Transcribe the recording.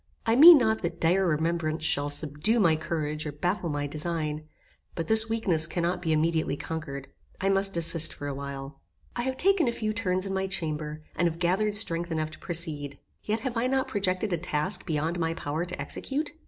I mean not that dire remembrance shall subdue my courage or baffle my design, but this weakness cannot be immediately conquered. I must desist for a little while. I have taken a few turns in my chamber, and have gathered strength enough to proceed. Yet have I not projected a task beyond my power to execute?